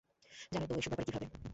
জানোই তো ও এসব ব্যাপারে কী ভাবে।